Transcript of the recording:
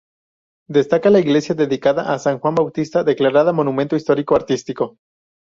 Destaca la iglesia dedicada a san Juan Bautista, declarada Monumento Histórico Artístico.